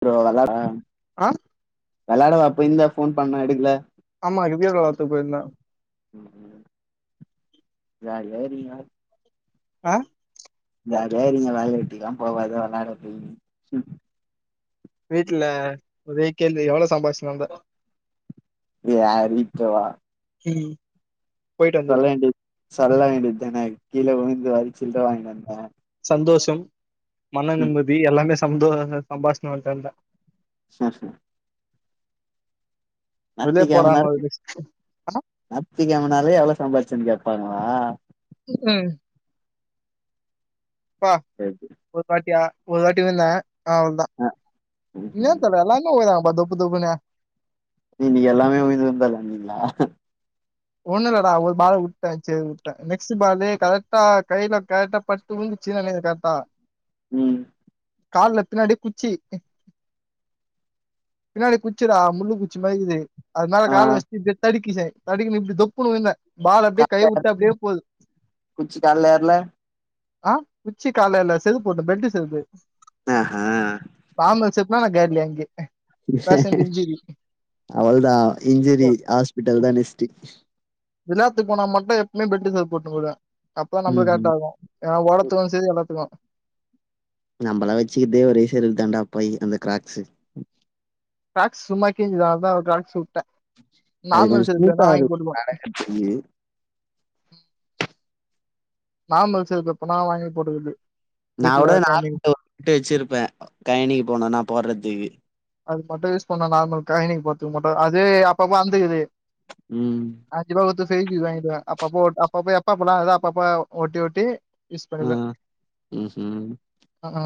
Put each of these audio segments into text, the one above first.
Bro நல்லா [unintelligible] ஆ வெளாடுவா அப்டி இருந்தா ஃபோன் பண்றே எடுக்கல ஆமா [unintelligible] போயிருந்தே ய ஏரிலா அ இந்த எரிங்க வேல வெட்டிக்கலா போவாத வெளாட போய் ம் வீட்ல ஒரே கேள்வி எவ்ளோ சம்பாரிச்டு வந்த யாரு வீட்டோவா உம் சொல்ல வேண்டி சொல்ல வேண்டியதுதான கீல விழுந்து வரி சில்ற வாங்கின் வந்தே சந்தோஷம் மன நிம்மதி எல்லாமே சந்தோ சம்பாஷிணு வன்டந சேர் செரி நாத்தி வெளிய கெழமனால போடான்னு ஒரு லிஸ்ட் ஆ நாத்தி கெழமனாலே எவ்வளோ சம்பாரிச்சன்னு கேட்பாங்களா ம் ம் பா ரைட்டு ஒரு வாட்டியா ஒரு வாட்டி நின்ன அவ்ளோதா என்ன தர எல்லா இருக்குறப்பா தொப்புனு தொப்புனு நீங்க எல்லாமே உய்ந்து உய்ந்தூ வேலயாண்டீங்கல ஒண்ணு இல்லடா ஒரு பாலு வுட்டே செரி வுட்டே நெக்ஸ்ட் பாலு கரெக்டா கையில பட்ட்டப்பட் விழுதுச்சு அதுலே கரெக்ட்டா உம் கால்ல பின்னாடி குச்சி பின்னாடி குச்சிடா முள்ளு குச்சி மாரி இருகீது அது மேல ஆ கால வச்சி இப்டி தடுக்கிச்சே தடுக்கினு இப்டி தொப்புன்னு விழுந்த பால் அப்டியே கை கால்ல வுட்டு அப்டியே போது குச்சி கால்ல ஏறல ஆ உச்சி கால்லயில செருப்பு போட்ட பெல்டு செருப்பு ஆ அ நார்மல் செருப்பு நா காலி அங்கே பேஷண்ட் இன்ஜுரி அவ்ள்தா இஞ்சுரி ஹாஸ்பிட்டல் தா நெக்ஸ்ட் விளாத்துக்கு போனா மட்டோ எப்புமே பெல்ட் சேர்ப்பு போட்டுனு போய்டுவ அப்போ தா ம் நம்ளுக்கு ம் கரெக்ட இருக்கோ ஏ ஓடத்துக்கோ செரி எல்லாத்துக்கோ நம்மளா வச்சிக்கதே ஒரே செருப்பு தாண்டாப்பாய் அந்த கிராக்ஸு கீராக்ஸ் சும்மா கிஞ்சிது அதா ஒரு கீராக்ஸ் விட்ட அது கொஞ்சம் ஸ்மூத்தா இருக்கு நடக்கறதுக்கு நார்மல் சேருப்பு எப்பனா நா வாங்கி போட்டுக்குது நா வீட்ல கூட கைனிக்கு நார்மல்ல விட்டு வச்சிருப்ப கயணிக்கு போனோ நா போடுறதுக்கு அது மட்டோ யூஸ் பண்ண நார்மல் கயினிக்கு போத்துக்கு மட்டோ அது அப்பப்ப அந்தக்குது உம் அஞ்சிரூபா கூடுத்து பேவீகூக் வாங்கிடுவ அப்பப்ப அப்பப்ப எப்பாப்போ அறுதோ அப்பப்ப ஒட்டிஓட்டி யூஸ் ஆ. பண்ணுறது ஆ அ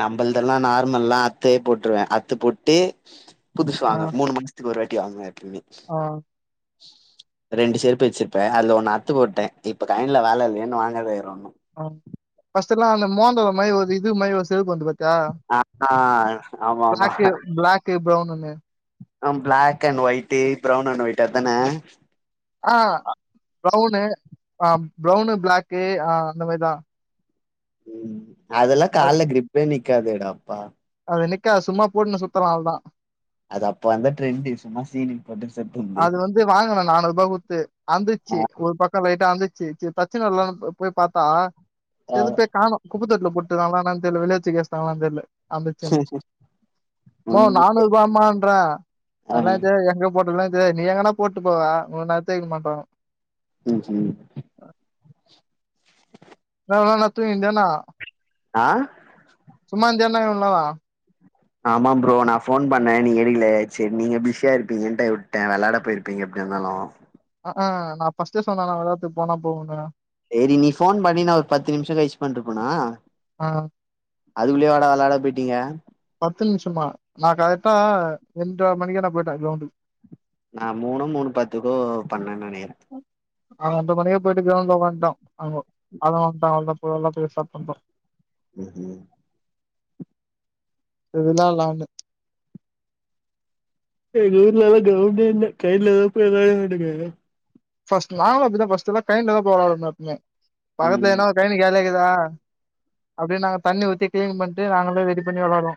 நம்மதெல்லா நார்மல்லா அர்த்தே போட்டுருவே அர்த்து போட்டு புதுசுவாங்க மூணு ம ன்த்கு ஒரு வாட்டி வாங்க ஏப்புமே ஆ ரெண்டு செருப்பு வச்சிருப்பே அதுல ஒண்ணு அர்த்து போட்டே இப்ப கையல வேல இல்லையன்னு வாங்காத இருக்க இன்னோ ம் ஃபர்ஸ்ட் எல்லா அந்த மோந்தர மாரி இது மாரி ஓரு செருப்பு வந்து பாத் தியா ஆ ஆ ஆமாமா. ப்ளக்கு ப்ளக்கு ப்ரவுன்னு ஆ black and white brown and white அதானே ஆ ப்ரௌவுனு ஆ ப்ரௌவுனு பிளாக்கு ஆ அந்த மாரிதா ம் அதெல்லா அது கால்ல க்ரிப்பே நிக்காதேட அப்பா அது நிக்காது சும்மா போட்டுன்னு சுத்தலா அவ்ல்தா அது அப்ப அந்த டிரெண்ட்டு சும்மா சீனு [unintelligible] அது வந்து வாங்குன நானூர்பா குத்து ஆ அந்துச்சி ஒரு பக்கோ லைட்டா அந்துச்சி ச்சி பே தச்சினு வர்லானு போய் பாத்தா ஆ செருப்பே காணோ குப்ப தொட்டுல போட்டாங்கலானு என்னனு தெர்ல வெளிய தூக்கிவாஷ்டங்களானு தெர்ல அந்துச்சன்னு ம்மோ ஒன்னு நானூ வாம்மாறே ஆ அதெல்லா எத்து எங்கியோ போட்ட எல்லா தெரியாது நீ எங்கனா போட்டு போவ உக்கு எடுத்து வைக்கனுமான்றங்க ம் ஹ்ம் இவ்ளோ நேர என்னா தூங்கிட்ருந்தியா என்ன ஆ சும்மா இருந்தாய என இவ்வளோ நேர ஆமாம் ப்ரோ நா ஃபோன் பண்ணே நீ எடிக்கல சேரி நீங்க பிஸியா இருப்பீங்கிட்ட விட்டே விளாட போயிரபே பிங்க எப்டியா இருந்தாலு அஹன் நா பஃர்ஸ்டே சொன்னே நா விளாத்துக்கு போனா போவான்னு சேரி நீ ஃபோன் பண்ணி நா ஒரு பத்து நிம்ஷ கழிச்சு பண்ணிருப்பனா ஆ அதுக்குள்ளயே வாடா விளாட போயிட்டீங்க பத்து நிம்ஷமா நா கரெக்டா ரெண்டர மணிக்க நா போய்ட்டே க்ரவுண்டுக்கு நா மூணோ மூணு பத்துக்கு பன்னென்ன நெனைக்கிரே நாங்கோ ரெண்ட்ரா மணிக்கே போய்ட்டு க்ரவுண்ட்ல உக்காந்துட்ட அங்க ஆளுங்க வந்துட்டாங்க வந்த போ எல்லா போய் ஸ்டார்ட் பண்ட்டோ ம் ம் இதுதா நானு எங்க ஊர்லலா க்ரௌண்டே இல்ல கைனிலதா போய் [unintelligible] ஃபர்ஸ் நாங்களு அப்டிதா ஃபஸ்ட்டுல்லா கைனிலதா ‌ போய் விளாடுவோ [unintelligible] பக்கத்துல ம் ஏனாவ ஒரு கைனி கலியாக்குதா அப்டியே நாங்க தண்ணி ஊத்தி கிளீன் பன்னிட்டு நாங்களே ரெடி பண்ணி விளாடுவோ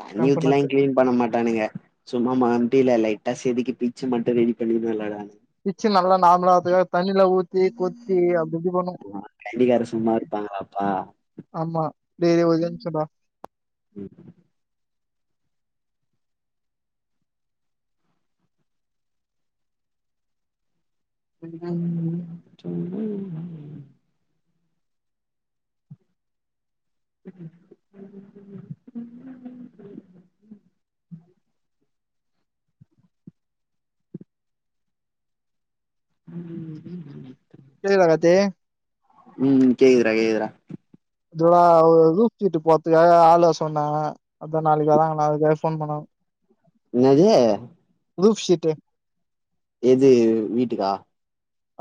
தண்ணி கேம்ப் ஊத்தி எல்லா நட்டு கிளீன் பண்ண மாட்டானுங்க சும்மா மாம்டில லைட்டா சேதிக்கி பீச்சு மட்டு ரெடி பண்ணி விளாடுவானங்க பிச்சு நல்லா நார்மளாத்துக்க தண்ணியில ஊத்தி கொத்தி அப்டி இப்டி பண்ணுவோ ம் கைனிகாரன் சும்மா இருப்பாங்களாப்பா ஆமா டேய் இரு ஒரியொரு நிம்ஷோட ம் [unintelligible] [unintelligible] [inaudible] கேக்குதா கார்த்தி ம் ம் கேக்குதுற கேக்குதுற இல்லடா ஒரு ருப்சிட்டு போற்த்துக்க ஆள வர்சொன்னா அதா நாளைக்கி வாறாங்க நாளைக்கி வேற ஃபோன் பண்ணனு என்னது ருஃப்சிட்டு எது வீட்டுக்கா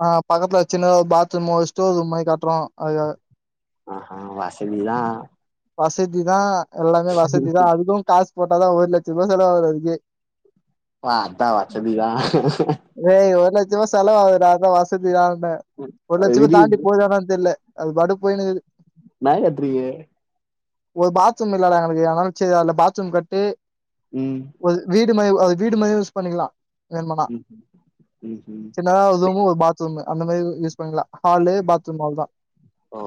ஆ பக்கத்துல சின்னதா பாத்ரூமா ஸ்டோர் ரூம் மாரி கட்டுறோ அதுக்காக ஆ ஹ வசதிதா வசதிதா எல்லாமே வசதிதா அதுக்கு காசு போட்டாதா ஒரு லட்சம் ரூபாய் செலவாகதுகு அதுக்கே வா அதா வச்சதுதா ஏய் ஒரு லட்சமா செலவாககுது அதா வசதிதா ஒரு லட்ச தாண்டி என்னா போதானு தெர்ல அதுபாட்டு போய்னு இருக்கு நய் எப்டி ஒரு பாத்ரூம் இல்லடா எங்களுக்கு அனால செரி அதுல பாத்ரூம் கட்டு ம் ஒரு வீடு மா அது வீடு மாரி யூஸ் பண்ணிக்ளா ம் ம் ம் ம் மேல பாத்ரூம் அந்த மாரி யூஸ் பண்லா ஹால்லே பாத்ரூம் அவள்தா ஓ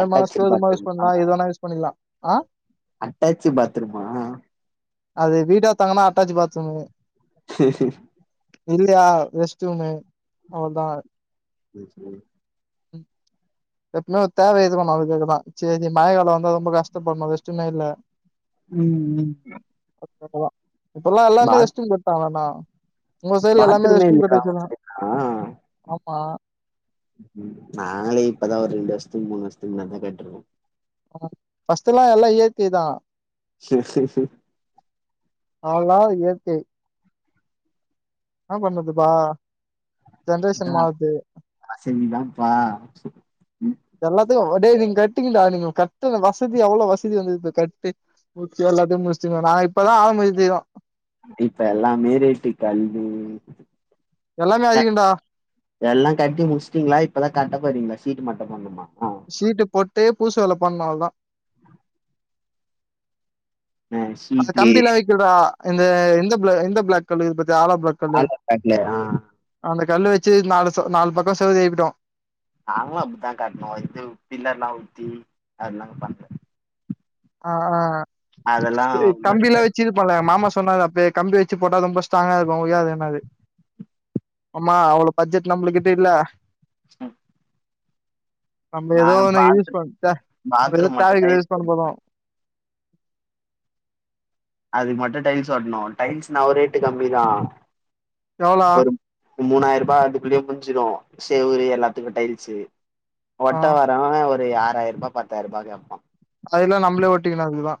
அட்டாச்டு யூஸ் பாத்ரூமா பண்லா எப்பவேனா யூஸ் பண்ணிக்லா ஆ அட்டாச்சி பாத்ரூமா அது வீடா தங்கன்னா அட்டாச்சி பாத்ரூமு இல்லியா ரெஸ்ட் ரூமு அவுள்தா [unintelligible] ம் எப்மே தேவை எதுகோனாலு கேக்குதா சேரி மயகால வந்து ரொம்ப கஷ்ட படணு வேஸ்டனே இல்ல ம் ம் இப்பல்லா எல்லாமே பாத் ரெஸ்ட் ரூமு கட்டாங்கல்லணா உங்க சைட்ல எல்லாமே பாத்ரூமே ரெஸ்டும் கட்டி இல்லையா உங்க வச்சிருக்காங்க சைட்லா ஆமா ம் நாங்களே இப்பதா ஒரு ரெண்டு வருஷத்துக்கு மூணு வருஷத்துக்குள்ளதா கட்ருக்கோ ஃபஸ்ட்டு எல்லா இயற்கைதா அவ்ளதா இயற்கை என்னா பண்ணதுப்பா ஆ வசதிதான்ப்பா எல்லாத்துக்கு ஒடே நீங்க கட்டுங்கா நீங்க கட்ட வசதி அவ்ள வசதி வந்த கட்டி முக்கி எல்லாத்தியு முஸ்டிங்கோ நா இப்பதா ஆரம் முக்கிறோ இப்ப எல்லாமே ரேட்டு கல்வி எல்லாமே அதிகன்டா எல்லா கட்டி முடிச்சுட்டீங்ளா இப்பதா கட்ட போறீங்களா சீட்டு மட்டு போண்ணுமா அ சீட்டு போட்டு பூசு வேல பண்ணு அவ்ளதா ஆ அந்த ஷீட்டு கம்பிலா வக்கூடா இந்த இந்த ப்ளா இந்த ப்ளாக் கல்ல இது பாத்தியா ஆளாபிளாக் ப்ளாக் ஆளாபிளாக்குலய ஆ அந்த கல்லு வச்சு நாலு நாலு பக்க செவுரு எழுப்பிட்டோ நாங்களு அப்டித்தா கட்ணு இது பில்லர் எல்லா ஊத்தி அததா பண் ஆ ஆ அதெல்லா ரொம்ப கம்பிலா ரேட்டா வச்சு ப்பால மாமா சொன்னாரு அப்பவே கம்பி வச்சு போட்டா ரொம்ப ஸ்ட்ராங்கா இருக்கு உயாது என்னது ஆமா அவ்ளோ பட்ஜெட் நம்ள கிட்ட இல்ல ம் நம்ம ஏதோ ஒன்ன யூஸ் பண்ணட்டா நம்ம ஏதோ பாத்ரூம் மட்டு தேவைவிக்கி யூஸ் பண்ண டைல்ஸ் போறோ அதுக்கு மட்டும் டைல்ஸ் ஒட்டணு டைல்ஸ் நா ரேட்டு கம்மிதா எவ்ளோ ஒரு மூணாய்ருபா அதுக்குள்ளயே முட்ஞ்சிடு செவுரு எல்லாத்துக்கு டைல்சு ஆ போட்டா ஒரு ஆராய ருபா பத்தாய ருபா கேப்பா அதுல்லா நம்ளே ஒட்டிக்கினு அதுதா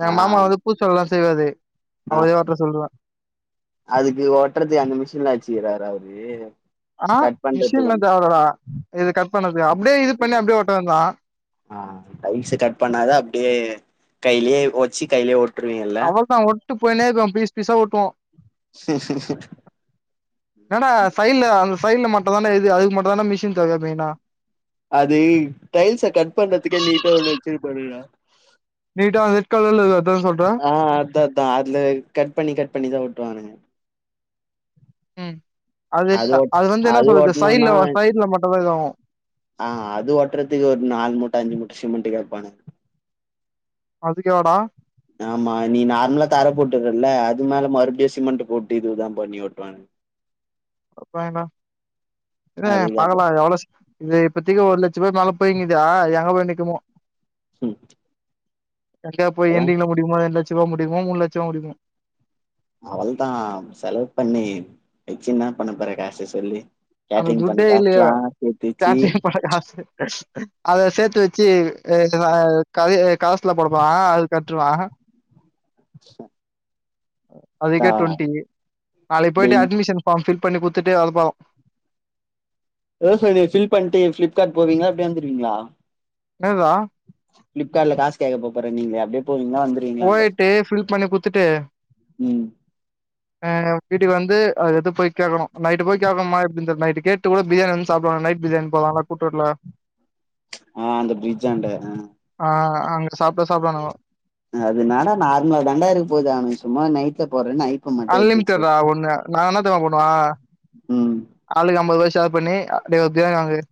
எங்க ஆ மாமா வந்து பூசுவேலல்லா செய்வாரு ஆ அவரே ஓட்ட சொல்லுவே அதுக்கு ஒட்டுறதுத்கு அந்த மிஷின்ல வச்சுக்கிறார அவரு அ கட் பண்றதுக்கு மிஷின்ல ஒண்ணு தேவலடா இது கட் பண்ணது அப்டியே இது பண்ணி அப்டியே ஒட்ட வேண்ட்தா ஆ டைல்ஸ் கட் பண்ணாத அப்டியே கையிலேயே ஒட்ச்சி கைய்லியே அவ்ளோதா ஒட்னு போயினே இருக்கு பீஸ் பீஸா ஒட்டுவோ [inaudible] என்னாடா சைட்ல அந்த சைட்ல மட்டு தான்டா எது அதுக்கு மட்டு தான்டி மிஷின் தேவ மெயினா அது டைல்ஸ்ச கட் பண்றதுக்கே நீட்டா ஒண்ணு வச்சிருபாருடா நீடா அந்த ரெட் கலர்ல அதா சொல்ற ஆ அதா அதா அதுல கட் பண்ணி கட் பண்ணிதா ஒட்டுவானுங்க ம் அது அது வந்து என்ன சொல்றது சைட்ல சைட்ல மட்டு தா இது ஆவு ஆ அது ஒட்றத்துக்கு ஒரு நாலு மூட்ட அஞ்சு மூட்ட சிமெண்ட் கேப்பானுங்க அதுக்கேவாடா ஆமா நீ நார்லா தர போட்டுறல்ல அது மேல மறுப்டியு சிமெண்ட் போட்டு இதுதா பண்ணி ஓட்டுவானுங்க [unintelligible] அதுக்கு அப்ப பாக்கலா எவ்ளோ சீக் இது இப்பத்திக்கு ஒரு லட்சோ ருபா மேல போய்ங்குதே எங்க போய் நிக்குமோ ம் எங்க போய இப்பல்லா எண்டிங்ல முடியுமோ ரெண்ட் லச்சம்ல முடியுமோ மூணுலட்சமா முடியுமா அவள் தா செலவு பண்ணி வச்சு என்ன பண்ணப்போறே காச சொல்லு அந்த கேட்ரிங் பண்ண துட்டே இல்லையே காசுலா சேத்து வெச்சு காசு பட காசு அத சேத்து வச்சு க கரசுல போட போறே அது கட்ருவே அ அதுக்கே டுவெண்டி நாளைக்கு பொய்ட்டு டெய் அட்மிஷன் ஃபார்ம்ஃபில் பண்ணி குடுத்துட்டு அது பம் சேரி சேரி ஃபில் பண்ட்டு பிளிப்கார்ட் போவீங்ளா இல்ல இப்படி வந்துருவீங்ளா என்னதுறா பிளிப்கார்டல காசு கே்க போப்ஸபோறே நீங்ள அப்டியே போவீங்லா வந்து போய்ட்டு ஃபில் பண்ணி குட்த்துட்டு ம் வீட்க்கு வந்து அது எட்த்து போய் கேக்கணு நைட்டு போய் கேக்கணுமா எப்டினு தெரில்ல நைட்டு கேட்டு கூட பிரியாணி வந்து சாப்டுவாங்க நைட் பிரியாணி இப்பதாண்ஞ கூட்ரோட்ல அ அந்த பிரிஜ்ஜாண்ட அ அங்குட்டு சாப்ட்டா சாப்டுவானுங்க அதுன்னெடா நார்மள தாண்டா இருக்க போகுது அவுன்க சும்மா நைட்ல போறே நைட் அன்லிமிட்டற்றா ஒண்ணு நா என்ன தெரியுமா பண்ணுவா ம் ஆளுக்கு அம்பது ருவா ஷேர் பண்ணி அப்டியே ஒரு பிரியாணி வாங்ரது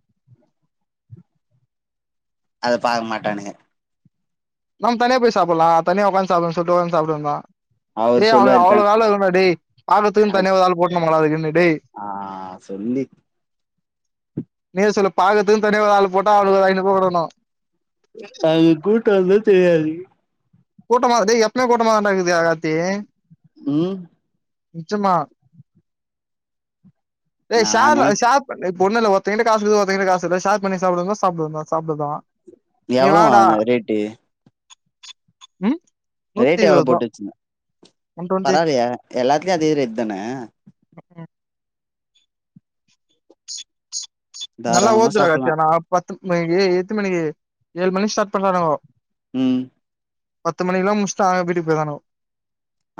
அத பாக்க மாட்டானுங்க நம் தனிய போய் சாப்புட்லா தனிய உக்காந்து சாப்புட்லா சொல்ட்டு உக்காந்து சாப்டவேண்டியதா டே அவர் அவனுக்கு சொல்லுவாரு தா அவ்ளோ வேல இருக்குன்டா டே பாக்ரதுக்குன்னு அது தனியா ஒரு ஆள் போட்னுமாடா டே ஆ சொல்லி நீயே சொல்லு பாக்த்துக்குனு தனியா ஆள் போட்டா அவளுக்கு ஒரு ஐநூருபா குடுக்கணும் அது கூட்டோ வந்து தெரியாது கூட்டமா இருக்குது எப்பமே கூட்டமா தான்டா இருக்குது அ கார்த்தி உம் நிச்சமா ஏ நா ஷால நைட் ஷாப் இப்ப ஒண்ணு இல்ல ஒருத்தங்கிட்ட காசு ஒருத்தங்கிட்ட காசு இல்ல ஷேர் பண்ணி சாப்டுங்கோ சாப்டுங்க சாப்ட்தா நீ எவ்ளோ வாடா அந்த ரேட்டு உம் ரேட்டு் எவ்ளவு போட்டு வச்சுருந்தேக ஒன் டுவெண்ட்டி பரவால்ல எல்லாத்துலயும் அதே ரேட் தான நல்லா தாராளமா ஓதுரா சாப்பலா கத்தியானா பத்து ம ஏ எத்து மணிக்கு ஏழு மணி ஸ்டார்ட் பண்றாங்கோ ம் பத்து மணிக்கல்லா முடிச்சுட்டா அ வீட்டுக்கு போயிடனும்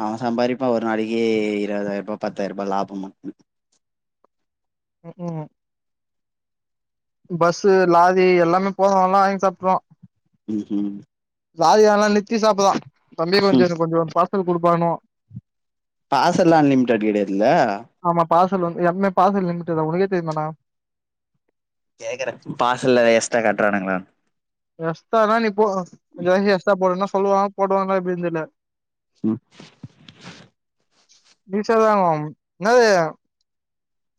அவேன் சம்பாறிப்பா ஒரு நாளைக்கு இருபதாயிரம் ரூபாய் பத்தாயிர ரூபாய் லாபமா உம் உம் பஸ்லாரி எல்லாமே போறவங்க எல்லா வாங்கி சாப்ட்ருவா உம் உம் லாரி தான நிறுத்தி சாப்தா தம்பி ம் கொஞ்சோ இது கொஞ்சோம் பார்சல் குடுக்கணு பார்சல் எல்லா அன்லிமிடெட் கெடையாதுல்ல ஆமா பார்சல் வந்து எம்மே பார்சல் லிமிட்டுதா உனக்கே தெரியுமாண்ணா கேக்குறே பார்சல் எஸ்ட்ரா காட்றானுங்களானு எஸ்டானா நீ இப்போ கொஞ்சோ இறங்கி எஸ்ட்ரா போனா சொல்லுவாங்க போடுவா எப்டினு தெர்ல உம் நி செல்லணும் என்னது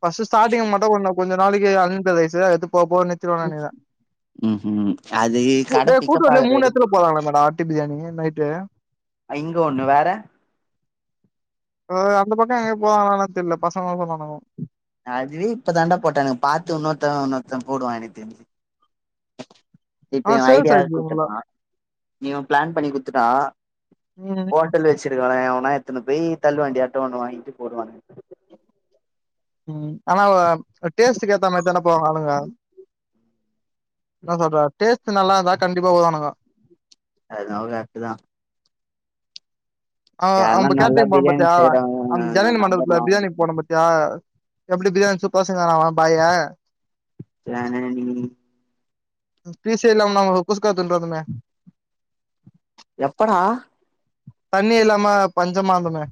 ஃபஸ்ட் ஸ்டார்டிங் மட்டும் கொஞ்சோ கொஞ்ச நாளைக்கு அன்ந்த வயசு எடுத்து போ போன்னு னுங்க ம் ம் அது கட டேய் கூட்டு பிக்கப் வரல ஆகுற மூணு வரையு எடத்துல போடுவா போறாங்கள மேடம் பிரியாணியா நைட்டு அ இங்க ஒண்ணு வேற அந்த பக்கோம் எங்க போறாங்களான் தெர்ல பசங்க ப [unintelligible] அதுவே இப்ப தாண்டா போட்டாங்க எனக்கு பாத்து இன்னொருத்தவன் இன்னொருத்தன் போடுவான் எனக்கு தெரிஞ்சு இப்ப ஆனா என் சேல்ஸ் ஐடியா யாரு ஆயிடுது நல்லா கூத்துட்டா நீயும் பிளான் பண்ணி குத்துட்டா ம் ஃபோன் தல் வச்சுடுவே அவே மேல எத்தன போய் தல்லு வண்டி அட்டை ஒன்னு வாங்கிட்டு போடுவானங்க உம் ஆனா டேஸ்டுக்கு ஏத்த மாரித்தான போவாங்க ஆளுங்க என்ன சொல்ற டேஸ்ட் நல்லா இருந்தா கண்டிப்பா உடுவானுங்க அதுவு கரெக்ட்தா ஆ யாருன்னா அம்ப நல்லா கேட்ரிங் போனே பிரியாணி பாத்தியா அந்த செய்யறவங்க ஜனின் மண்டபத்துல நம்பர்லா வாங்கி பிரியாணிக்கு போன பத்தி ஆ எப்டி பிரியாணி சூப்பரா செஞ்சாங்கலா பாய் ஜெனனி பீசே எல்லாம நாங்க குஸ்கா தின்ட்டு வந்தோமே எப்படா தண்ணி இல்லாம பஞ்சமாந்தமே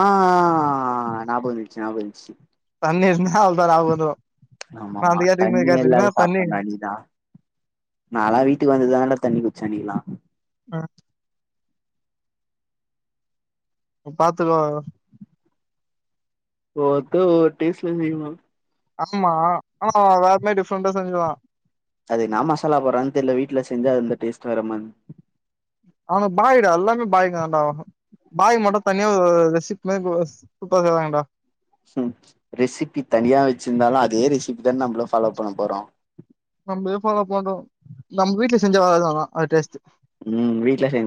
ஆ ஞாபகம் வந்துச்சு ஞாபகம் வந்துச்சு தண்ணி இருந்தா அவ்ளோதா ஞாபகம் வந்துரு நா ஆமாமா அந்த கேட்ரிங் இந்த தண்ணி கேட்ரிங்னா எல்லாரும் தண்ணி சாப்ட்டமே அது இதா நாளா வீட்டுக்கு வந்துதால்ல தண்ணி குச்சே அண்ணிக்லா மா இப் பாத்துக்கோ ஒவ்வொருத்தர் ஒரு டேஸ்ட் ல செய்வாங் ஆமா ஆ வேறமே டிஃப்ரெண்டா செஞ்சுருவா அது என்னா மசாலா போறா தெரில வீட்ல செஞ்சா அந்த டேஸ்ட் வேற மா அவுங்க பாயிடா எல்லாமே பாயதாண்ட பாய் மட்டும் தனியா ரெசிப் ல சூப்பர் செய்வாங்கடா ம் ரெசிபி தனியா வச்சிருந்தாலும் அதே ரெசிபி தானே நம்மளு ஃபாலோ பண்ண போறோ நம்ம ஏ ஃபாலோ பண்ணோ நம்ம வீட்ல செஞ்ச வரத தா அது டேஸ்ட் உம் வீட்ல சேஞ்